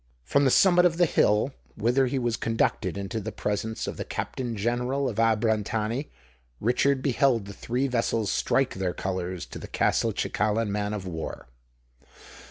From the summit of the hill, whither he was conducted into the presence of the Captain General of Abrantani, Richard beheld the three vessels strike their colours to the Castelcicalan man of war.